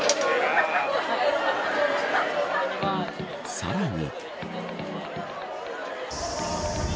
さらに。